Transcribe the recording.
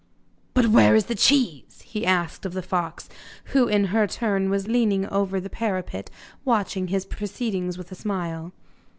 'But where is the cheese?' he asked of the fox, who in her turn was leaning over the parapet watching his proceedings with a smile.